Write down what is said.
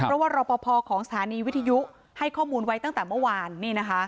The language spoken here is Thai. เพราะว่ารอปภของสถานีวิทยุให้ข้อมูลไว้ตั้งแต่เมื่อวาน